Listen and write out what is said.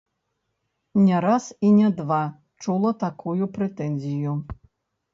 Не раз і не два чула такую прэтэнзію.